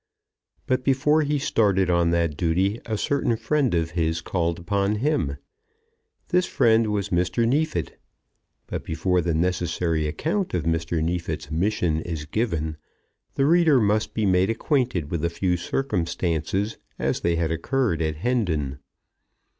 But before he started on that duty a certain friend of his called upon him. This friend was Mr. Neefit. But before the necessary account of Mr. Neefit's mission is given, the reader must be made acquainted with a few circumstances as they had occurred at Hendon.